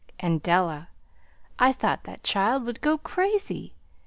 And, Della, I thought that child would go crazy.